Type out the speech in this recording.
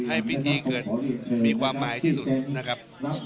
ให้พิธีเกิดมีความหมายที่สุดนะครับ